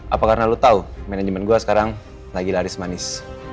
apa karena lo tahu manajemen gue sekarang lagi laris manis